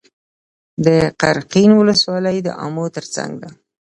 د قرقین ولسوالۍ د امو تر څنګ ده